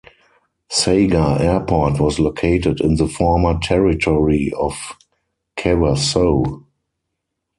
Saga Airport was located in the former territory of Kawasoe.